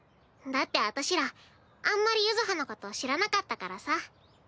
だって私らあんまり柚葉のこと知らなかったからさ。